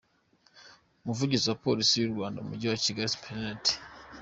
Umuvugizi wa Polisi y’u Rwanda mu mujyi wa Kigali, Supt.